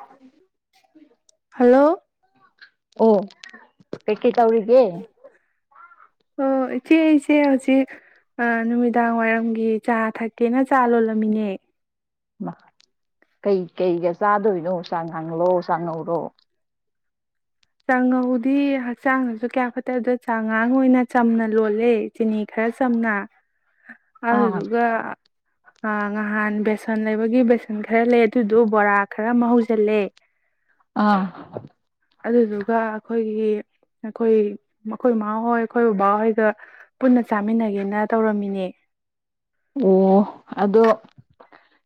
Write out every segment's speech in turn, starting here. ꯑ ꯍꯜꯂꯣ ꯑꯣ ꯄꯦꯀꯤ ꯇꯧꯔꯤꯒ ꯑꯣ ꯏꯆꯦ ꯑꯩꯁꯦ ꯍꯧꯖꯤꯛ ꯅꯨꯃꯤꯗꯥꯡ ꯋꯥꯏꯔꯝꯒꯤ ꯆꯥ ꯊꯛꯀꯦꯅ ꯆꯥ ꯂꯣꯜꯂꯝꯃꯤꯅꯦ ꯀꯩꯀꯩꯒ ꯆꯥꯗꯣꯏꯅꯣ ꯆ ꯉꯥꯡꯂꯣ ꯆ ꯉꯧꯔꯣ ꯆꯉꯧꯗꯤ ꯍꯛꯆꯥꯡꯗꯁꯨ ꯀꯌꯥ ꯐꯠꯇꯕꯗ ꯆꯥꯉꯥꯡ ꯑꯣꯏꯅ ꯆꯝꯅ ꯂꯣꯜꯂꯦ ꯆꯤꯅꯤ ꯈꯔ ꯆꯝꯅ ꯑꯥ ꯑꯗꯨꯗꯨꯒ ꯑ ꯉꯍꯥꯟ ꯕꯦꯁꯟ ꯂꯩꯕꯒꯤ ꯕꯦꯁꯟ ꯈꯔ ꯂꯩ ꯑꯗꯨꯗ ꯕꯣꯔꯥ ꯈꯔ ꯃꯍꯧꯖꯤꯜꯂꯦ ꯑꯥ ꯑꯗꯨꯒ ꯑꯩꯈꯣꯏꯒꯤ ꯑꯩꯈꯣꯏ ꯑꯩꯈꯣꯏ ꯏꯃꯥꯍꯣꯏ ꯑꯩꯈꯣꯏ ꯕꯕꯥꯍꯣꯏꯒ ꯄꯨꯟꯅ ꯆꯥꯃꯤꯟꯅꯒꯦꯅ ꯇꯧꯔꯝꯃꯤꯅꯦ ꯑꯣ ꯑꯗꯣ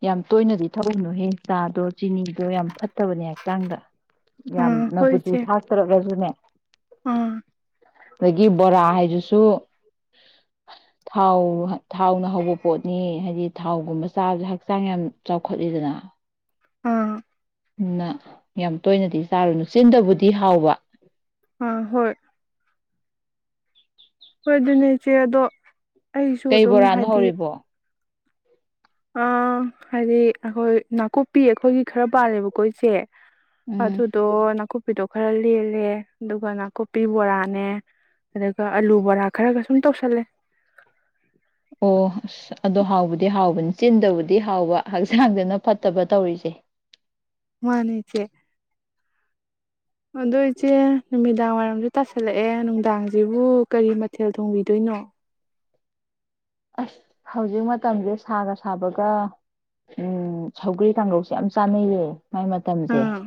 ꯌꯥꯝ ꯇꯣꯏꯅꯗꯤ ꯊꯧꯕꯅꯨ ꯍꯌꯦ ꯆꯥꯗꯣ ꯆꯤꯅꯤꯗꯣ ꯌꯥꯝ ꯐꯠꯇꯕꯅꯦ ꯍꯛꯆꯥꯡꯗ ꯌꯥꯝ ꯑꯥ ꯍꯣꯏ ꯅꯕꯨꯇꯨ ꯏꯆꯦ ꯊꯥꯛꯇꯔꯛꯂꯁꯨꯅꯦ ꯑꯥ ꯑꯗꯒꯤ ꯕꯣꯔꯥ ꯍꯥꯏꯁꯤꯁꯨ ꯊꯥꯎ ꯊꯥꯎꯅ ꯍꯧꯕ ꯄꯣꯠꯅꯤ ꯍꯥꯏꯗꯤ ꯊꯥꯎꯒꯨꯝꯕ ꯆꯥꯕꯁꯦ ꯍꯛꯆꯥꯡ ꯌꯥꯝ ꯆꯥꯎꯈꯠꯂꯤꯗꯅ ꯑꯥ ꯅ ꯌꯥꯝ ꯇꯣꯏꯅꯗꯤ ꯆꯥꯔꯨꯅꯨ ꯆꯤꯟꯗꯕꯨꯗꯤ ꯍꯥꯎꯕ ꯑ ꯍꯣꯏ ꯍꯣꯏ ꯑꯗꯨꯅꯦ ꯏꯆꯦ ꯑꯗꯣ ꯑꯩꯁꯨ ꯀꯩ ꯑꯗꯨꯝ ꯕꯣꯔꯥꯅ ꯍꯧꯔꯤꯕꯣ ꯑ ꯍꯥꯏꯗꯤ ꯑꯩꯈꯣꯏ ꯅꯥꯀꯨꯞꯄꯤ ꯑꯩꯈꯣꯏꯒꯤ ꯈꯔ ꯄꯥꯜꯂꯦꯕꯀꯣ ꯏꯆꯦ ꯎꯝ ꯑꯗꯨꯗꯣ ꯅ ꯨꯞꯄꯤꯗꯣ ꯈꯔ ꯂꯦꯜꯂꯦ ꯑꯗꯨꯒ ꯅꯥꯀꯨꯞꯄꯤ ꯕꯣꯔꯥꯅꯦ ꯑꯗꯨꯒ ꯑꯂꯨ ꯕꯣꯔꯥ ꯈꯔꯒ ꯁꯨꯝ ꯇꯧꯁꯜꯂꯦ ꯑꯣ ꯑꯁ ꯑꯗꯣ ꯍꯥꯎꯕꯗꯤ ꯍꯥꯎꯕꯅꯤ ꯆꯤꯟꯗꯕꯨꯗꯤ ꯍꯥꯎꯕ ꯍꯛꯆꯥꯡꯗꯅ ꯐꯠꯇꯕ ꯇꯧꯔꯤꯁꯦ ꯃꯥꯅꯦ ꯏꯆꯦ ꯑꯗꯣ ꯏꯆꯦ ꯅꯨꯃꯤꯗꯥꯡ ꯋꯥꯏꯔꯝꯁꯨ ꯇꯥꯁꯜꯂꯛꯑꯦ ꯅꯨꯡꯗꯥꯡꯁꯤꯕꯨ ꯀꯔꯤ ꯃꯊꯦꯜ ꯊꯣꯡꯕꯤꯗꯣꯏꯅꯣ ꯑꯁ ꯍꯧꯖꯤꯛ ꯃꯇꯝꯁꯦ ꯁꯥꯒ ꯁꯥꯕꯒ ꯁꯧꯒ꯭ꯔꯤ ꯀꯥꯡꯒꯧꯁꯦ ꯌꯥꯝ ꯆꯥꯅꯩꯌꯦ ꯃꯥꯏ ꯃꯇꯝꯁꯦ ꯑꯥ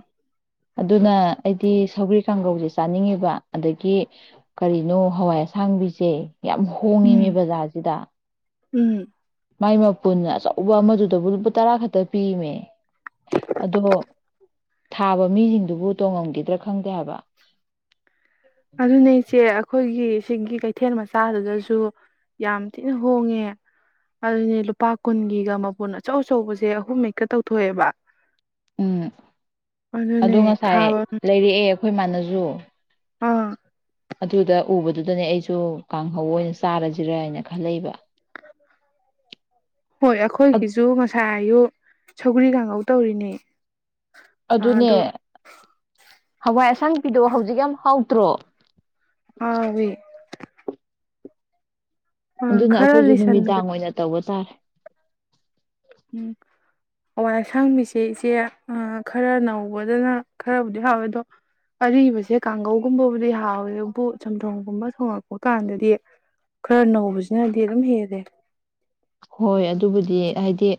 ꯑꯗꯨꯅ ꯑꯩꯗꯤ ꯁꯧꯒ꯭ꯔꯤ ꯀꯥꯡꯒꯧꯁꯦ ꯆꯥꯅꯤꯡꯉꯤꯕ ꯑꯗꯒꯤ ꯀꯔꯤꯅꯣ ꯍꯋꯥꯏ ꯑꯁꯥꯡꯕꯤꯁꯦ ꯌꯥꯝ ꯍꯣꯡꯉꯤꯅꯦ ꯎꯝ ꯕꯖꯥꯔꯁꯤꯗ ꯎꯝ ꯃꯥꯏ ꯃꯄꯨꯟꯅ ꯑꯆꯧꯕ ꯑꯃꯗꯨꯗꯕꯨ ꯂꯨꯄꯥ ꯇꯔꯥ ꯈꯛꯇ ꯄꯤꯃꯦ ꯑꯗꯣ ꯊꯥꯕ ꯃꯤꯁꯤꯡꯗꯨꯕꯨ ꯇꯣꯡꯉꯝꯈꯤꯗ꯭ꯔꯥ ꯈꯪꯗꯦ ꯍꯥꯏꯕ ꯑꯗꯨꯅꯦꯆꯦ ꯑꯩꯈꯣꯏꯒꯤ ꯁꯤꯡꯒꯤ ꯀꯩꯊꯦꯜ ꯃꯆꯥꯗꯨꯗꯁꯨ ꯌꯥꯝ ꯊꯤꯅ ꯍꯣꯡꯉꯦ ꯑꯗꯨꯅꯦ ꯂꯨꯄꯥ ꯀꯨꯟꯒꯤꯒ ꯃꯄꯨꯟ ꯑꯆꯧ ꯑꯆꯧꯕꯁꯦ ꯑꯍꯨꯝ ꯍꯛꯀ ꯇꯧꯊꯣꯛꯑꯦꯕ ꯎꯝ ꯑꯗꯣ ꯑꯗꯨꯅꯦ ꯉꯁꯥꯏ ꯊꯥꯕ ꯂꯩꯔꯛꯑꯦ ꯑꯩꯈꯣꯏ ꯃꯥꯟꯅꯖ ꯑꯥ ꯑꯗꯨꯗ ꯎꯕꯗꯨꯗꯅꯦ ꯑꯩꯁꯨ ꯀꯥꯡꯍꯧ ꯑꯣꯏꯅ ꯆꯥꯔꯁꯤꯔ ꯍꯥꯏꯅ ꯈꯜꯂꯛꯕ ꯍꯣꯏ ꯑꯩꯈꯣꯏꯒꯤꯁꯨ ꯉꯁꯥꯏ ꯑꯌꯨ ꯁꯧꯒꯔꯤ ꯀꯥꯡꯉꯧ ꯇꯧꯔꯤꯅꯦ ꯑꯗꯨꯅꯦ ꯑꯗꯣ ꯍꯋꯥꯏ ꯁꯪ ꯄꯤꯗꯣꯑꯣ ꯍꯧꯖꯤꯛ ꯌꯥꯝ ꯍꯥꯎꯗ꯭ꯔꯣ ꯑꯦ ꯑꯗꯨꯅ ꯈꯔ ꯑꯩꯈꯣꯏꯁꯨ ꯂꯤꯁꯟꯈ꯭ꯔꯦ ꯅꯨꯃꯤꯗꯥꯡ ꯑꯣꯏꯅ ꯇꯧꯕ ꯇꯔ ꯎꯝ ꯍꯥꯋꯥꯏ ꯑꯁꯥꯡꯃꯤꯁꯦ ꯏꯆꯦ ꯈꯔ ꯅꯧꯕꯗꯅ ꯈꯔꯕꯨꯗꯤ ꯍꯥꯎꯋꯦ ꯑꯗꯣ ꯑꯔꯤꯕꯁꯦ ꯀꯥꯡꯒꯧꯒꯨꯝꯕꯕꯨꯗꯤ ꯍꯥꯎꯋꯦ ꯑꯗꯨꯕꯨ ꯆꯝꯊꯣꯡꯒꯨꯝꯕ ꯊꯣꯡꯉꯛꯄ ꯀꯥꯟꯗꯗꯤ ꯈꯔ ꯅꯧꯕꯁꯤꯅꯗꯤ ꯑꯗꯨꯝ ꯍꯦꯜꯂꯦ ꯍꯣꯏ ꯑꯗꯨꯕꯨꯗꯤ ꯍꯥꯏꯗꯤ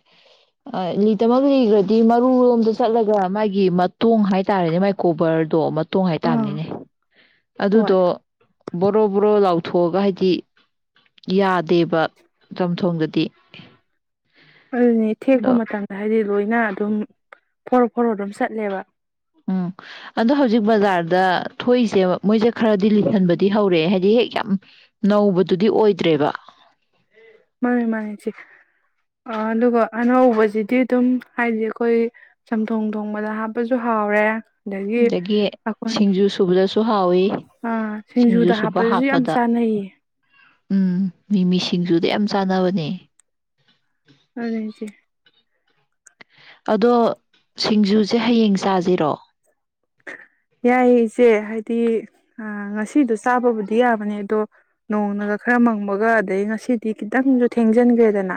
ꯂꯤꯇꯃꯛ ꯂꯤꯈ꯭ꯔꯗꯤ ꯃꯔꯨꯨꯔꯣꯝꯗ ꯆꯠꯂꯒ ꯃꯥꯒꯤ ꯃꯇꯣꯡ ꯍꯥꯏꯇꯥꯔꯦꯅꯦ ꯃꯥꯒꯤ ꯀꯣꯕꯔꯗꯣ ꯇꯣꯡꯉꯥꯏ ꯑꯥ ꯇꯥꯕꯅꯤꯅꯦ ꯍꯣꯏ ꯑꯗꯨꯗꯣ ꯕꯣꯔꯣ ꯕꯣꯔꯣ ꯂꯥꯎꯊꯣꯛꯑꯒ ꯍꯥꯏꯗꯤ ꯌꯥꯗꯦꯕ ꯆꯝꯊꯣꯡꯗꯗꯤ ꯇꯦ ꯑꯗꯨꯅꯦ ꯊꯦꯛꯄ ꯃꯇꯝꯗ ꯍꯥꯏꯗꯤ ꯂꯣꯏꯅ ꯑꯗꯨꯝ ꯐꯣꯔꯣ ꯐꯣꯔꯣ ꯑꯗꯨꯝ ꯆꯠꯂꯦꯕ ꯎꯝ ꯑꯗꯣ ꯍꯧꯖꯤꯛ ꯕꯖꯥꯔꯗ ꯊꯣꯛꯏꯁꯦ ꯃꯣꯏꯁꯦ ꯈꯔꯗꯤ ꯂꯤꯠꯍꯟꯕꯗꯤ ꯍꯧꯔꯛꯑꯦ ꯍꯥꯏꯕꯗꯤ ꯍꯦꯛ ꯌꯥꯝ ꯅꯧꯕꯗꯨꯗꯤ ꯑꯣꯏꯗ꯭ꯔꯦꯕ ꯃꯥꯅꯤ ꯃꯥꯅꯤ ꯁꯤꯦ ꯑꯗꯨꯒ ꯑꯅꯧꯕꯁꯤꯗꯤ ꯑꯗꯨꯝ ꯍꯥꯏꯗꯤ ꯑꯩꯈꯣꯏ ꯆꯝꯊꯣꯡ ꯊꯣꯡꯕꯗ ꯍꯥꯞꯄꯁꯨ ꯍꯥꯎꯔꯦ ꯑꯗꯒꯤ ꯑꯩꯈꯣꯏꯅ ꯁꯤꯡꯖꯨ ꯁꯨꯕꯗꯁꯨ ꯍꯥꯎꯋꯤ ꯑꯥ ꯁꯤꯡꯖꯨ ꯁꯤꯡꯖꯨꯗ ꯁꯨꯕ ꯍꯥꯞꯄꯗꯁꯨ ꯌꯥꯝ ꯍꯥꯞꯄꯗ ꯆꯥꯅꯩꯌꯦ ꯎꯝ ꯃꯤꯃꯤꯁꯤꯡꯖꯨꯗꯤ ꯌꯥꯝ ꯆꯥꯟꯅꯕꯅꯦ ꯑꯆꯦ ꯑꯗꯣ ꯁꯤꯡꯖꯨꯁꯦ ꯍꯌꯦꯡ ꯆꯥꯁꯤꯔꯣ ꯌꯥꯏ ꯏꯆꯦ ꯍꯥꯏꯗꯤ ꯑꯥ ꯉꯁꯤꯗꯣ ꯆꯥꯕꯕꯨꯗꯤ ꯌꯥꯕꯅꯦ ꯑꯗꯣ ꯅꯣꯡꯅꯒ ꯈꯔ ꯃꯪꯕꯒ ꯑꯗꯩ ꯉꯁꯤꯗꯤ ꯈꯤꯇꯪꯁꯨ ꯊꯦꯡꯖꯤꯟꯈ꯭ꯔꯦꯗꯅ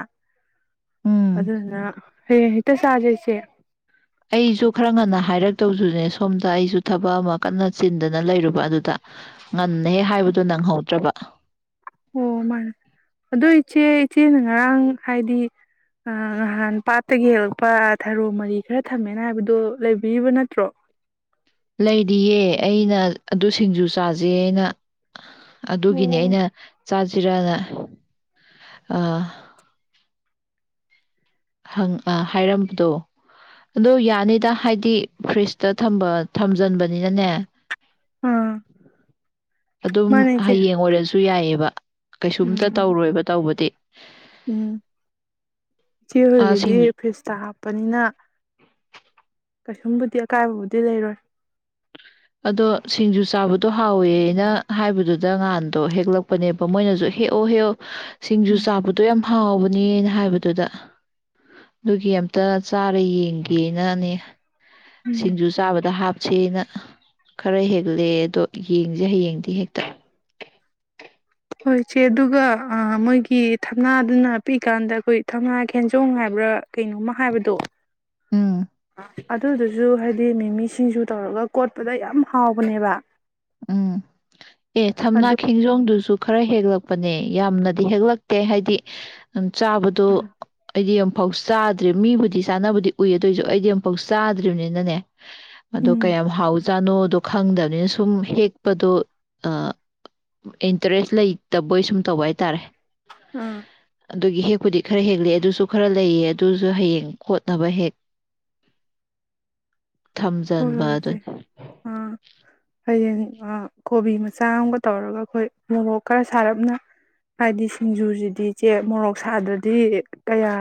ꯎꯝ ꯑꯗꯨꯗꯨꯅ ꯍꯌꯦꯡ ꯍꯦꯛꯇ ꯆꯥꯖꯤꯁꯦ ꯑꯗꯨꯅꯦ ꯁꯣꯝꯗ ꯑꯩꯁꯨ ꯊꯕꯛ ꯑꯃ ꯀꯟꯅ ꯆꯤꯟꯗꯅ ꯂꯩꯔꯨꯕ ꯑꯗꯨꯗ ꯉꯟꯅꯍꯦꯛ ꯍꯥꯏꯕꯗꯣ ꯅꯪꯍꯧꯗ꯭ꯔꯕ ꯑꯣ ꯃꯥꯅꯦ ꯑꯗꯣ ꯏꯆꯦ ꯏꯆꯦꯅ ꯉꯔꯥꯡ ꯍꯥꯏꯗꯤ ꯅꯍꯥꯟ ꯄꯥꯠꯇꯒꯤ ꯍꯦꯛꯂꯛꯄ ꯊꯔꯣ ꯃꯔꯤ ꯈꯔ ꯊꯝꯃꯦꯅ ꯍꯥꯏꯕꯗꯣ ꯂꯩꯕꯤꯔꯤꯕ ꯅꯠꯇ꯭ꯔꯣ ꯂꯩꯔꯤꯌꯦ ꯑꯩꯅ ꯑꯗꯨ ꯁꯤꯡꯖꯨ ꯆꯥꯁꯦꯅ ꯑꯗꯨꯒꯤꯅꯦ ꯑꯣ ꯑꯩꯅ ꯆꯥꯁꯤꯔꯅ ꯑ ꯍꯪ ꯑ ꯍꯥꯏꯔꯝꯕꯗꯣ ꯑꯗꫭ ꯌꯥꯅꯤꯗ ꯍꯥꯏꯗꯤ ꯐ꯭ꯔꯤꯇ ꯊꯝꯕ ꯊꯝꯖꯟꯕꯅꯤꯅꯅꯦ ꯑꯥ ꯑꯗꯨꯝ ꯃꯥꯅꯦ ꯏꯆꯦ ꯍꯌꯦꯡ ꯑꯣꯏꯔꯁꯨ ꯌꯥꯏꯑꯕ ꯀꯩꯁꯨꯝꯇ ꯎꯝ ꯇꯧꯔꯣꯏꯕ ꯇꯧꯕꯗꯤ ꯎꯝ ꯏꯆꯦ ꯑ, ꯍꯣꯏꯒꯤꯗꯤ ꯁꯤꯡ ꯐꯦꯁꯇ ꯍꯥꯞꯄꯅꯤꯅ ꯀꯩꯁꯨꯝꯕꯨꯗꯤ ꯑꯀꯥꯏꯕꯕꯨꯗꯤ ꯂꯩꯔꯣꯏ ꯑꯗꯣ ꯁꯤꯡꯖꯨ ꯆꯥꯕꯗꯣ ꯍꯥꯎꯋꯦꯅ ꯍꯥꯏꯕꯗꯨꯗ ꯉꯍꯥꯟꯗꯣ ꯍꯦꯛꯂꯛꯄꯅꯦꯕ ꯃꯣꯏꯅꯁꯨ ꯍꯦꯛꯑꯣ ꯍꯦꯛꯑꯣ ꯁꯤꯡꯖꯨ ꯎꯝ ꯆꯥꯕꯗꯣ ꯌꯥꯝ ꯍꯥꯎꯕꯅꯦꯅ ꯍꯥꯏꯕꯗꯨꯗ ꯑꯗꯨꯒꯤ ꯑꯃꯝꯇ ꯆꯥꯔ ꯌꯦꯡꯒꯦꯅꯅꯦ ꯎꯝ ꯁꯤꯡꯖꯨ ꯆꯥꯕꯗ ꯍꯥꯞ ꯁꯦꯅ ꯈꯔ ꯍꯦꯛꯂꯦ ꯑꯗꯣ ꯌꯦꯡꯁꯦ ꯍꯌꯦꯡꯗꯤ ꯍꯦꯛꯇ ꯍꯣꯏ ꯏꯆꯦ ꯑꯗꯨꯒ ꯃꯣꯏꯒꯤ ꯊꯝꯅꯥꯗꯨꯅ ꯄꯤꯛꯏꯀꯥꯟꯗ ꯑꯩꯈꯣꯏ ꯊꯝꯅꯥ ꯈꯦꯟꯖꯣꯡ ꯍꯥꯏꯕ꯭ꯔꯥ ꯀꯩꯅꯣꯝꯃ ꯍꯥꯏꯕꯗꯣ ꯎꯝ ꯑꯗꯨꯗꯨꯁꯨ ꯍꯥꯏꯗꯤ ꯃꯤꯃꯤꯁꯤꯡꯁꯨ ꯇꯧꯔꯒ ꯀꯣꯠꯄꯗ ꯌꯥꯝ ꯍꯥꯎꯕꯅꯦꯕ ꯎꯝ ꯑꯦ ꯊꯝꯅꯥ ꯑꯗꯨ ꯈꯤꯡꯖꯣꯗꯨꯁꯨ ꯈꯔ ꯍꯦꯛꯂꯛꯄꯅꯦ ꯌꯥꯝꯅꯗꯤ ꯍꯦꯛꯂꯛꯇꯦ ꯍꯥꯏꯗꯤ ꯆꯥꯕꯗꯣ ꯑꯩꯗꯤ ꯌꯥꯝ ꯑꯃꯨꯛꯐꯥꯎ ꯆꯥꯗ꯭ꯔꯦ ꯃꯤꯕꯨꯗꯤ ꯆꯥꯅꯕꯗꯤ ꯎꯏ ꯑꯗꯨꯣꯏꯁꯨ ꯑꯩꯗꯤ ꯑꯃꯨꯛꯐꯥꯎ ꯆꯥꯗ꯭ꯔꯤꯕꯅꯤꯅꯅꯦ ꯑꯗꯣ ꯎꯝ ꯀꯌꯥꯝ ꯍꯥꯎ ꯆꯥꯅꯣꯗꯣ ꯈꯪꯗꯕꯅꯤꯅ ꯁꯨꯝ ꯁꯨꯝ ꯍꯦꯛꯄꯗꯣ ꯏꯟꯇꯔꯦꯁ ꯂꯩꯇꯕꯣꯏ ꯁꯨꯝ ꯇꯧꯕ ꯍꯥꯏꯇꯥꯔꯦ ꯑꯝ ꯑꯗꯨꯒꯤ ꯍꯦꯛꯄꯨꯗꯤ ꯈꯔ ꯍꯦꯛꯂꯛꯑꯦ ꯑꯗꯨꯁꯨ ꯈꯔ ꯂꯩꯑ ꯑꯗꯨꯁꯨ ꯍꯌꯦꯡ ꯈꯣꯠꯅꯕ ꯍꯦꯛ ꯍꯣꯏ ꯊꯝꯖꯟꯕ ꯍꯣꯏ ꯏꯆꯦ ꯗꯨꯅꯤ ꯑꯥ ꯍꯌꯦꯡ ꯀꯣꯕꯤ ꯃꯆꯥꯒꯕ ꯇꯧꯔꯒ ꯑꯩꯈꯣꯏ ꯃꯣꯔꯣꯛ ꯈꯔ ꯁꯥꯔꯞꯅ ꯍꯥꯏꯗꯤ ꯁꯤꯡꯖꯨꯁꯤꯗꯤ ꯏꯆꯦ ꯃꯣꯔꯣꯛ ꯁꯥꯗ꯭ꯔꯗꯤ ꯀꯌꯥ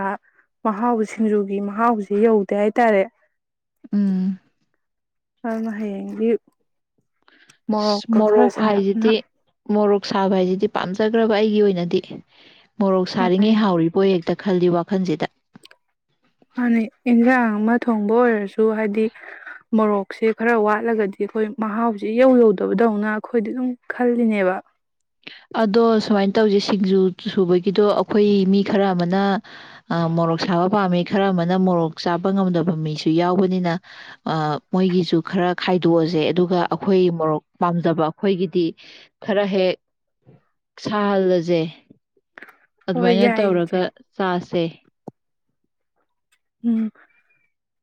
ꯃꯍꯥꯎ ꯁꯤꯡꯖꯨꯒꯤ ꯃꯍꯥꯎꯁꯦ ꯌꯧꯗꯦ ꯍꯥꯏꯇꯥꯔꯦ ꯎꯝ ꯑꯗꯨꯅ ꯍꯌꯦꯡꯗꯤ ꯃꯣꯔꯣꯛꯀ ꯈꯔ ꯃꯣꯔꯣꯛ ꯁꯥꯔꯞꯅ ꯍꯥꯏꯁꯤꯗꯤ ꯃꯣꯔꯣꯛ ꯁꯥꯕ ꯍꯥꯏꯁꯤꯗꯤ ꯄꯥꯝꯖꯈ꯭ꯔꯕ ꯑꯩꯒꯤ ꯑꯣꯏꯅꯗꯤ ꯃꯣꯔꯣꯛ ꯁꯥꯔꯤꯉꯩ ꯍꯥꯎꯔꯤꯕꯣ ꯍꯦꯛꯇ ꯈꯜꯂꯤ ꯋꯥꯈꯜꯁꯤꯗ ꯃꯥꯅꯤ ꯑꯦꯟꯁꯥꯡ ꯑꯃ ꯊꯣꯡꯕ ꯑꯣꯏꯔꯁꯨ ꯍꯥꯏꯗꯤ ꯃꯣꯔꯣꯛꯁꯦ ꯈꯔ ꯋꯥꯠꯂꯒꯗꯤ ꯑꯩꯈꯣꯏ ꯃꯍꯥꯎꯁꯦ ꯌꯧ ꯌꯧꯗꯕꯗꯧꯅ ꯑꯩꯈꯣꯏꯗꯤ ꯑꯗꯨꯝ ꯈꯜꯂꯤꯅꯦꯕ ꯑꯗꯣ ꯁꯨꯃꯥꯏꯅ ꯇꯧꯁꯦ ꯁꯤꯡꯖꯨ ꯁꯨꯕꯒꯤꯗꯣ ꯑꯩꯈꯣꯏ ꯃꯤ ꯈꯔ ꯑꯃꯅ ꯃꯣꯔꯣꯛ ꯁꯥꯕ ꯄꯥꯝꯃꯤ ꯈꯔ ꯑꯃꯅ ꯃꯣꯔꯣꯛ ꯆꯥꯕ ꯉꯝꯗꯕ ꯃꯤꯁꯨ ꯌꯥꯎꯕꯅꯤꯅ ꯃꯣꯏꯒꯤꯁꯨ ꯈꯔ ꯈꯥꯏꯗꯣꯛꯑꯁꯦ ꯑꯗꯨꯒ ꯑꯩꯈꯣꯏ ꯃꯣꯔꯣꯛ ꯄꯥꯝꯖꯕ ꯑꯩꯈꯣꯏꯒꯤꯗꯤ ꯈꯔ ꯍꯦꯛ ꯁꯥꯍꯜꯂꯁꯦ ꯍꯣꯏ ꯑꯗꯨꯃꯥꯏꯅ ꯌꯥꯏ ꯇꯧꯔꯒ ꯏꯆꯦ ꯆꯥꯁꯦ ꯎꯝ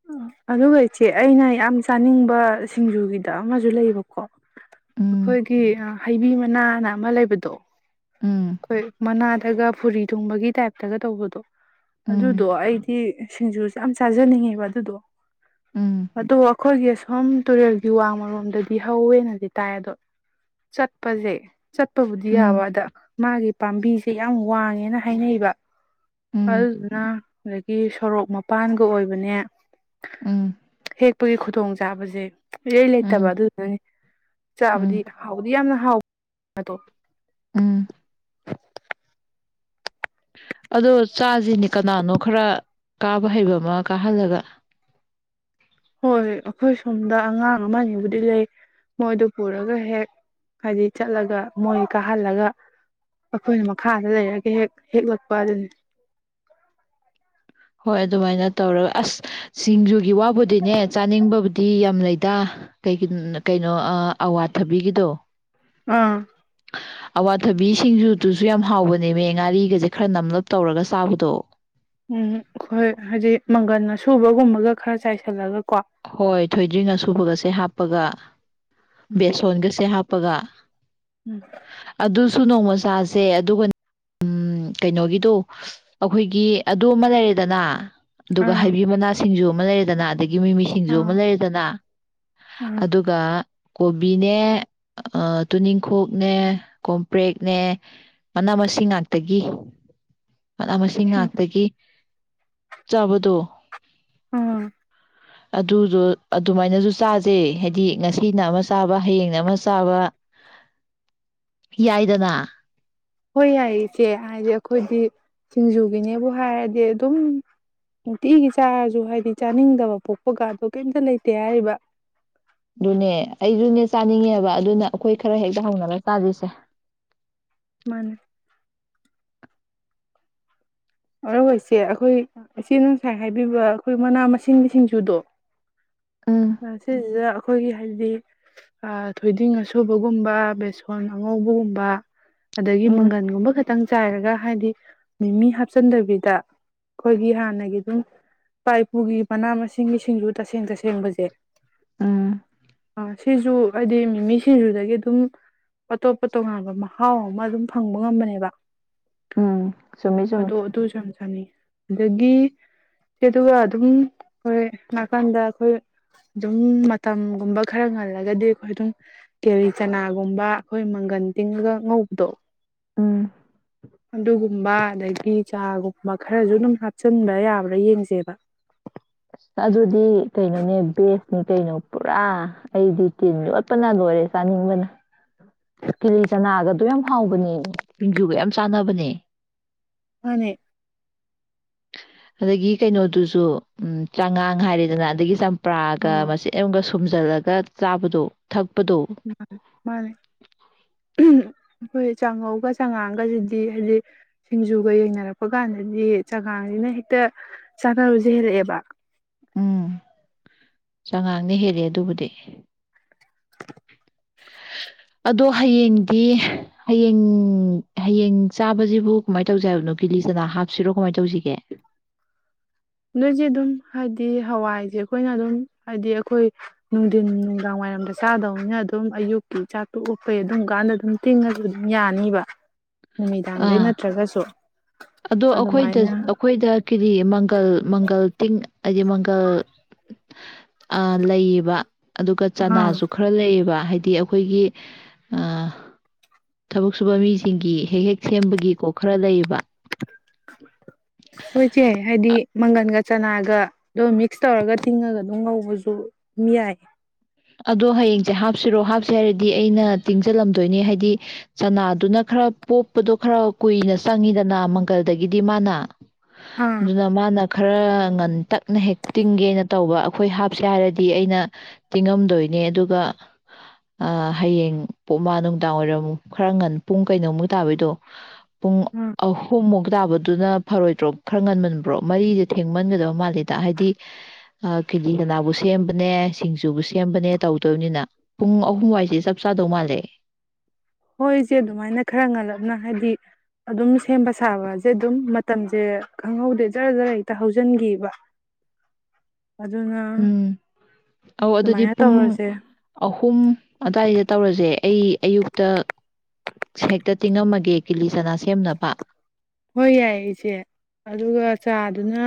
ꯎ ꯑꯗꯨꯒ ꯏꯆꯦ ꯑꯩꯅ ꯌꯥꯝ ꯆꯥꯅꯤꯡꯕ ꯁꯤꯡꯖꯨꯒꯤꯗ ꯑꯃꯁꯨ ꯂꯩꯕꯀꯣ ꯎꯝ ꯑꯩꯈꯣꯏꯒꯤ ꯍꯩꯕꯤ ꯅꯥꯅ ꯑꯃ ꯂꯩꯕꯗꯣ ꯎꯝ ꯍꯣꯏ ꯃꯅꯥꯗ ꯅꯒ ꯐꯨꯔꯤ ꯊꯣꯡꯕꯒꯤ ꯇꯥꯏꯞꯇꯒ ꯇꯧꯕꯗꯣ ꯑꯗꯨꯗꯣ ꯎꯝ ꯑꯩꯗꯤ ꯁꯤꯡꯖꯨꯁꯦ ꯌꯥꯝ ꯆꯥꯖꯅꯤꯡꯉꯦꯕ ꯑꯗꯨꯗꯣ ꯎꯝ ꯑꯗꯣ ꯑꯩꯈꯣꯏꯒꯤ ꯁꯣꯝ ꯇꯨꯔꯦꯜꯒꯤ ꯋꯥꯃꯔꯣꯝꯗꯗꯤ ꯍꯧꯋꯦꯅꯗꯤ ꯇꯥꯏ ꯑꯗꯣ ꯆꯠꯄꯁꯦ ꯆꯠꯄꯕꯨꯗꯤ ꯌꯥꯕ ꯎꯝ ꯑꯗ ꯃꯥꯒꯤ ꯄꯥꯝꯕꯤꯁꯦ ꯌꯥꯝ ꯋꯥꯡꯉꯦꯅ ꯍꯥꯏꯅꯩꯕ ꯎꯝ ꯍꯅ ꯒꯤ ꯁꯣꯔꯣꯛ ꯃꯄꯥꯟꯒ ꯑꯣꯏꯕꯅꯦ ꯎꯝ ꯇꯦꯛꯄꯒꯤ ꯈꯨꯗꯣꯡ ꯆꯥꯕꯁꯦ ꯏꯔꯩ ꯂꯩꯇꯕ ꯎꯝ ꯑꯗꯨꯗꯨꯅꯅꯤ ꯆꯥꯕꯗꯤ ꯎꯝ ꯍꯥꯎꯗꯤ ꯌꯥꯝꯅ ꯍꯥꯎꯣ ꯑꯝ ꯑꯗꯣ ꯆꯥꯁꯤꯅꯦ ꯀꯅꯥꯅꯣ ꯈꯔ ꯀꯥꯕ ꯍꯩꯕ ꯑꯃ ꯀꯥꯍꯜꯂꯒ ꯍꯣꯏ ꯑꯩꯈꯣꯏ ꯁꯣꯝꯗ ꯑꯉꯥꯡ ꯑꯃ ꯑꯅꯤꯕꯨꯗꯤ ꯂꯩ ꯃꯣꯏꯗꯨ ꯄꯨꯔꯒ ꯍꯦꯛ ꯍꯥꯏꯗꯤ ꯆꯠꯂꯒ ꯃꯣꯏ ꯀꯥꯍꯜꯂꯒ ꯑꯩꯈꯣꯏꯅ ꯃꯈꯥꯗ ꯂꯩꯔꯒ ꯍꯦꯛ ꯍꯦꯛꯂꯛꯄ ꯑꯗꯨꯅꯤ ꯍꯣꯏ ꯑꯗꯨꯃꯥꯏꯅ ꯇꯧꯔꯒ ꯑꯁ ꯁꯤꯡꯖꯨꯒꯤ ꯋꯥꯕꯨꯗꯤꯅꯦ ꯆꯥꯅꯤꯡꯕꯕꯨꯗꯤ ꯌꯥꯝ ꯂꯩꯗꯥ ꯀ ꯀꯩꯅꯣ ꯑꯋꯥꯊꯕꯤꯒꯤꯗꯣ ꯑꯥ ꯑꯋꯥꯊꯕꯤ ꯁꯤꯡꯖꯨꯗꯨꯁꯨ ꯌꯥꯝ ꯍꯥꯎꯕꯅꯦ ꯃ ꯉꯥꯔꯤꯒꯁꯦ ꯈꯔ ꯅꯝꯂꯞ ꯇꯧꯔꯒ ꯆꯥꯕꯗꯣ ꯎꯝ ꯑꯩꯈꯣꯏ ꯍꯥꯏꯗꯤ ꯃꯪꯒꯟ ꯑꯁꯨꯕꯒꯨꯝꯕꯒ ꯈꯔ ꯆꯥꯏꯁꯜꯂꯒꯀꯣ ꯍꯣꯏ ꯊꯣꯏꯗ꯭ꯔꯤ ꯑ ꯁꯁꯨꯕꯒꯁꯦ ꯍꯥꯞꯄꯒ ꯎꯝ ꯕꯦꯁꯣꯟꯒꯁꯦ ꯍꯥꯞꯄꯒ ꯎꯝ ꯑꯗꯨꯁꯨ ꯅꯣꯡꯃ ꯆꯥꯁꯦ ꯑꯗꯨꯒ ꯎꯝ ꯀꯩꯅꯣꯒꯤꯗꯨꯣ ꯑꯩꯈꯣꯏꯒꯤ ꯑꯗꯨ ꯑꯃ ꯂꯩꯔꯦꯗꯅ ꯑꯗꯨꯒ ꯑꯥ ꯍꯥꯏꯕꯤ ꯃꯅꯥꯁ ꯁꯤꯡꯖꯨ ꯑꯃ ꯂꯩꯔꯦꯗꯅ ꯑꯗꯒꯤ ꯃꯤꯃꯤꯁꯤꯡꯖꯨ ꯑꯃ ꯑꯥ ꯂꯩꯔꯦꯗꯅ ꯑꯥ ꯑꯗꯨꯒ ꯀꯣꯕꯤꯅꯦ ꯇꯨꯅꯤꯡꯈꯣꯛꯅꯦ ꯀꯣꯝꯄ꯭ꯔꯦꯛꯅꯦ ꯃꯅꯥ ꯃꯁꯤꯡ ꯉꯥꯛꯇ ꯇꯒꯤ ꯃꯅꯥ ꯃꯁꯤꯡ ꯎꯝ ꯉꯥꯛꯇꯒꯤ ꯆꯥꯕꯗꯣ ꯑꯥ ꯑꯗꯨꯗꯣ ꯑꯗꯨꯃꯥꯏꯅꯁꯨ ꯆꯥꯖꯦ ꯍꯥꯏꯗꯤ ꯉꯁꯤꯅ ꯑꯃ ꯆꯥꯕ ꯍꯌꯦꯡꯅ ꯑꯃ ꯆꯥꯕ ꯌꯥꯏꯗꯅ ꯍꯣꯏ ꯌꯥꯏ ꯏꯆꯦ ꯍꯥꯏꯗꯤ ꯑꯩꯈꯣꯏꯗꯤ ꯁꯤꯡꯖꯨꯒꯤꯅꯦꯕꯨ ꯍꯥꯏꯔꯗꯤ ꯑꯗꯨꯝ ꯅꯨꯡꯇꯤꯒꯤ ꯆꯥꯔꯁꯨ ꯍꯥꯏꯗꯤ ꯆꯥꯅꯤꯡꯗꯕ ꯄꯣꯛꯄꯒꯗꯣ ꯀꯩꯝꯇ ꯂꯩꯇꯦ ꯍꯥꯏꯔꯤꯕ ꯑꯗꯨꯅꯦ ꯑꯩꯁꯨꯅꯦ ꯆꯥꯅꯤꯡꯉꯦꯕ ꯑꯗꯨꯅ ꯑꯩꯈꯣꯏ ꯈꯔ ꯍꯦꯛꯇ ꯍꯧꯅꯔ ꯆꯥꯖꯤꯁꯦ ꯃꯥꯅꯦ ꯑꯗꯨꯒ ꯏꯆꯦ ꯑꯩꯈꯣꯏ ꯏꯆꯦꯅ ꯉꯁꯥꯏ ꯍꯥꯏꯕꯤꯕ ꯑꯩꯈꯣꯏ ꯃꯅꯥ ꯃꯁꯤꯡꯒꯤ ꯁꯤꯡꯖꯨꯗꯣ ꯎꯝ ꯉꯁꯤꯖꯤꯗ ꯑꯩꯈꯣꯏꯒꯤ ꯍꯥꯏꯗꯤ ꯊꯣꯏꯗꯤꯡ ꯑꯁꯨꯕꯒꯨꯝꯕ ꯕꯦꯁꯣꯟ ꯑꯉꯧꯕꯒꯨꯝꯕ ꯑꯗꯒꯤ ꯎꯝ ꯃꯪꯒꯟꯒꯨꯝꯕ ꯈꯠ ꯈꯤꯇꯪ ꯆꯥꯏꯔꯒ ꯍꯥꯏꯗꯤ ꯃꯤꯃꯤ ꯍꯥꯞꯆꯟꯗꯕꯤꯗ ꯑꯩꯈꯣꯏꯒꯤ ꯍꯥꯟꯅꯒꯤ ꯑꯗꯨꯝ ꯏꯄꯥ ꯏꯄꯨꯒꯤ ꯃꯅꯥ ꯃꯁꯤꯡꯒꯤ ꯁꯤꯡꯖꯨ ꯇꯁꯦꯡ ꯇꯁꯦꯡꯕꯁꯦ ꯎꯝ ꯑ ꯁꯤꯁꯨ ꯍꯥꯏꯗꯤ ꯃꯤꯃꯤ ꯁꯤꯡꯖꯨꯗꯒꯤ ꯑꯗꯨꯝ ꯑꯇꯣꯞꯄ ꯇꯣꯉꯥꯟꯕ ꯃꯍꯥꯎ ꯑꯃ ꯑꯗꯨꯝ ꯐꯪꯕ ꯉꯝꯕꯅꯦꯕ ꯎꯝ ꯆꯨꯝꯃꯤ ꯆꯨꯝꯃꯤ ꯑꯗꯣ ꯑꯗꯨꯁꯨ ꯌꯥꯝ ꯆꯥꯅꯤꯡꯉꯤ ꯑꯗꯒꯤ ꯏꯆꯦ ꯑꯗꯨꯒ ꯑꯗꯨꯝ ꯈꯣꯏ ꯅꯥꯀꯟꯗ ꯑꯩꯈꯣꯏ ꯑꯗꯨꯝ ꯃꯇꯝꯒꯨꯝꯕ ꯈꯔ ꯉꯜꯂꯒꯗꯤ ꯑꯩꯈꯣꯏ ꯑꯗꯨꯝ ꯀꯦꯜꯂꯤ ꯆꯅꯥꯒꯨꯝꯕ ꯑꯩꯈꯣꯏ ꯃꯪꯒꯟ ꯇꯤꯡꯉꯒ ꯉꯧꯕꯗꯣ ꯎꯝ ꯑꯗꯨꯒꯨꯝꯕ ꯑꯗꯒꯤ ꯀꯄꯤ ꯆꯥꯒꯨꯝꯕ ꯈꯔꯁꯨ ꯑꯗꯨꯝ ꯍꯥꯞꯆꯤꯟꯕ ꯌꯥꯕ꯭ꯔ ꯌꯦꯡꯁꯦꯕ ꯑꯗꯨꯗꯤ ꯀꯩꯅꯣꯅꯦ ꯕꯦꯁꯅꯤ ꯀꯩꯅꯣ ꯄꯨꯔꯥ ꯑꯩꯗꯤ ꯇꯤꯟ ꯌꯣꯠꯄꯅ ꯂꯣꯏꯔꯦ ꯆꯥꯅꯤꯡꯕꯅ ꯀꯤꯂꯤ ꯆꯅꯥ ꯒꯇꯣ ꯌꯥꯝ ꯌꯥꯝ ꯍꯥꯎꯕꯅꯦ ꯁꯤꯡꯖꯨꯒ ꯌꯥꯝ ꯆꯥꯟꯅꯕꯅꯦ ꯃꯅꯦ ꯑꯗꯒꯤ ꯀꯩꯅꯣꯗꯨꯁꯨ ꯎꯝ ꯆꯥꯉꯥꯡ ꯍꯥꯏꯔꯦꯗꯅ ꯑꯗꯒꯤ ꯆꯝꯄ꯭ꯔꯥꯒ ꯃꯆꯦꯠ ꯑꯝꯒ ꯁꯣꯏ ꯁꯨꯝꯖꯤꯜꯂꯒ ꯆꯥꯕꯗꯣ ꯊꯛ ꯃꯥ ꯃꯥꯅꯦ ꯑꯩꯈꯣꯏ ꯆꯥꯉꯧꯒ ꯆꯥꯉꯥꯡꯒꯁꯤꯗꯤ ꯍꯥꯏꯗꯤ ꯁꯤꯡꯖꯨꯒ ꯌꯦꯡꯅꯔꯛꯄ ꯀꯥꯟꯗꯗꯤ ꯆꯉꯥꯡꯁꯤꯅ ꯍꯦꯛꯇ ꯆꯥꯟꯅꯕꯁꯦ ꯍꯦꯜꯂꯛꯑꯦꯕ ꯎꯝ ꯆꯉꯥꯡꯅ ꯍꯦꯜꯂꯦ ꯑꯗꯨꯕꯨꯗꯤ ꯑꯗꯣ ꯍꯌꯦꯡꯗꯤ ꯍꯌꯦꯡ ꯍꯌꯦꯡ ꯆꯥꯕꯁꯤꯕꯨ ꯀꯃꯥꯏꯅ ꯇꯧꯁꯦ ꯍꯥꯏꯕꯅꯣ ꯀꯤꯂꯤ ꯆꯅꯥ ꯍꯥꯞꯁꯤꯔꯣ ꯀꯃꯥꯏꯅ ꯇꯧꯁꯤꯒꯦ ꯅꯣꯏꯁꯦ ꯑꯗꯨꯝ ꯍꯥꯏꯗꯤ ꯍꯋꯥꯏꯁꯦ ꯑꯩꯈꯣꯏꯅ ꯑꯗꯨꯝ ꯍꯥꯏꯕꯗꯤ ꯑꯩꯈꯣꯏ ꯅꯨꯡꯊꯤꯟ ꯅꯨꯡꯗꯥꯡ ꯋꯥꯏꯔꯝꯗ ꯆꯥꯗꯧꯅꯤꯅ ꯑꯗꯨꯝ ꯑꯌꯨꯛꯀꯤ ꯆꯥꯛ ꯇꯣꯛꯂꯛꯄꯩ ꯑꯗꯨꯝ ꯀꯥꯟꯗ ꯑꯗꯨꯝ ꯇꯤꯡꯉꯁꯨ ꯑꯗꯨꯝ ꯌꯥꯅꯤꯕ ꯅꯨꯃꯤꯗꯥꯡꯗꯩ ꯑꯥ ꯅꯠꯇ꯭ꯔꯒꯁꯨ ꯑꯗꯣ ꯑꯩꯈꯣꯏꯗ ꯑꯗꯨꯃꯥꯏꯅ ꯑꯩꯈꯣꯏꯗ ꯀꯔꯤ ꯃꯪꯒꯜ ꯃꯪꯒꯜ ꯇꯤꯡ ꯍꯥꯏꯗꯤ ꯃꯪꯒꯜ ꯑ ꯂꯩꯌꯦꯕ ꯑꯗꯨꯒ ꯑꯥ ꯆꯅꯥꯁꯨ ꯈꯔ ꯂꯩꯌꯦꯕ ꯍꯥꯏꯗꯤ ꯑꯩꯈꯣꯏꯒꯤ ꯊꯕꯛ ꯁꯨꯕ ꯃꯤꯁꯤꯡꯒꯤ ꯍꯦꯛ ꯍꯦꯛ ꯁꯦꯝꯕꯒꯤꯀꯣ ꯈꯔ ꯂꯩꯌꯦꯕ [unintelligible] ꯁꯦ ꯍꯥꯏꯗꯤ ꯃꯪꯒꯟꯒ ꯆꯅꯥꯒ ꯑꯗꯨꯝ ꯃꯤꯛꯁ ꯇꯧꯔꯒ ꯇꯤꯡꯉꯒ ꯑꯗꯨꯝ ꯉꯧꯕꯁꯨ ꯑꯗꯨꯝ ꯌꯥꯏ ꯑꯗꯣ ꯍꯌꯦꯡꯁꯦ ꯍꯥꯞꯁꯤꯔꯣ ꯍꯥꯞꯁ ꯍꯥꯏꯔꯗꯤ ꯑꯩꯅ ꯇꯤꯡꯁꯤꯜꯂꯝꯗꯣꯏꯅꯦ ꯍꯥꯏꯗꯤ ꯆꯅꯥꯗꯨꯅ ꯈꯔ ꯄꯣꯛꯞꯄꯗꯣ ꯈꯔ ꯀꯨꯏꯅ ꯆꯪꯉꯤꯗꯅ ꯃꯪꯒꯜꯗꯒꯤꯗꯤ ꯃꯥꯅ ꯑꯥ ꯑꯗꯨꯅ ꯃꯥꯅ ꯈꯔ ꯉꯟꯇꯛ ꯅ ꯍꯦꯛ ꯇꯤꯡꯒꯦꯅ ꯇꯧꯕ ꯑꯩꯈꯣꯏ ꯍꯥꯞꯁꯦ ꯍꯥꯏꯔꯗꯤ ꯑꯩꯅ ꯇꯤꯡꯉꯝꯗꯣꯏꯅꯦ ꯑꯗꯨꯒ ꯍꯌꯦꯡ ꯄꯣꯛꯃ ꯅꯨꯡꯗꯥꯡ ꯋꯥꯏꯔꯝꯨꯛ ꯈꯔ ꯉꯟ ꯄꯨꯡ ꯀꯩꯅꯣꯃꯨꯛ ꯇꯥꯕꯩꯗꯣ ꯄꯨꯡ ꯑꯥ ꯑꯍꯨꯝꯃꯨꯛ ꯇꯥꯕꯗꯨꯅ ꯐꯔꯣꯏꯗ꯭ꯔꯣ ꯈꯔ ꯉꯟꯃꯟꯕ꯭ꯔꯣ ꯃꯔꯤꯁꯦ ꯊꯦꯡꯃꯟꯒꯗꯕ ꯃꯥꯜꯂꯦꯗ ꯍꯥꯏꯗꯤ ꯀꯦꯂꯤ ꯀꯅꯥꯕꯨ ꯁꯦꯝꯕꯅꯦ ꯁꯤꯡ ꯖꯨꯕꯨ ꯁꯦꯝꯕꯅꯦ ꯇꯧ ꯗꯣꯅꯤꯅ ꯄꯨꯡ ꯑꯍꯨꯝꯋꯥꯏꯁꯦ ꯆꯞ ꯆꯥꯗꯧ ꯃꯥꯜꯂꯦ ꯍꯣꯏꯁꯦ ꯑꯗꯨꯃꯥꯏꯅ ꯈꯔ ꯉꯜꯂꯞꯅ ꯍꯥꯏꯗꯤ ꯑꯗꯨꯝ ꯁꯦꯝꯕ ꯁꯥꯕꯁꯦ ꯑꯗꯨꯝ ꯃꯇꯝꯁꯦ ꯈꯪꯍꯧꯗꯦ ꯖꯔ ꯖꯔ ꯍꯦꯛꯇ ꯍꯧꯖꯤꯟꯈꯤꯕ ꯑꯗꯨꯅ ꯎꯝ ꯑꯧ ꯑꯗꯨꯗꯤ ꯑꯗꯨꯃꯥꯏꯅ ꯄꯨꯡ ꯇꯧꯔꯁꯦ ꯑꯍꯨꯝ ꯑꯗꯨꯋꯥꯏꯗ ꯇꯧꯔꯁꯦ ꯑꯩ ꯑꯌꯨꯛ ꯇ ꯍꯦꯛꯇ ꯇꯤꯡꯉꯝꯃꯒꯦ ꯀ‌ꯦꯂꯤꯁ ꯍꯣꯏ ꯌꯥꯏ ꯏꯆꯦ ꯑꯗꯨꯒ ꯆꯥ ꯗꯨꯅ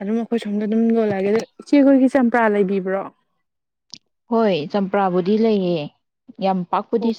ꯑꯗꯨꯝ ꯑꯩꯈꯣꯏ ꯁꯣꯝꯗ ꯑꯗꯨꯝ ꯂꯣꯜꯂꯛꯑꯒꯦ ꯑꯗ ꯏꯆꯦꯈꯣꯏꯒꯤ ꯆꯝꯄ꯭ꯔꯥ ꯂꯩꯕꯤꯕ꯭ꯔꯣ ꯍꯣꯏ ꯆꯝꯄ꯭ꯔꯥꯕꯨꯗꯤ ꯂꯩꯌꯦ ꯌꯥꯝ ꯄꯥꯛꯄꯨꯗꯤ